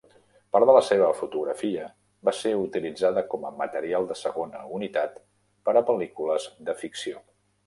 Part de la seva fotografia va ser utilitzada com a material de segona unitat per a pel·lícules de ficció.